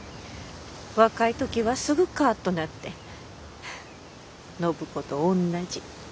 若い時はすぐカッとなって暢子と同じ。